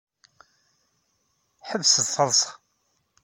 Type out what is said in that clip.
Ḥebset taḍsa.